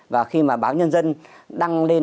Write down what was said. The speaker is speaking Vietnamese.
và khi mà báo nhân dân đăng lên